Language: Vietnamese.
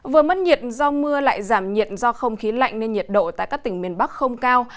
vừa mất nhiệt do mưa lại giảm nhiệt do không khí lạnh nên nhiệt độ tại các tỉnh miền bắc không cao